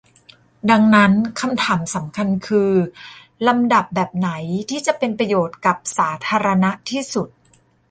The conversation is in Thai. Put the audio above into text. ดังนั้นคำถามสำคัญคือ ลำดับแบบไหนที่จะเป็นประโยชน์กับสาธารณะที่สุด